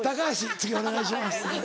次お願いします。